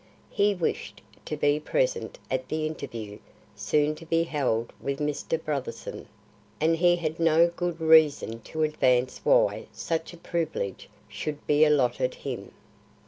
He wished to be present at the interview soon to be held with Mr. Brotherson, and he had no good reason to advance why such a privilege should be allotted him.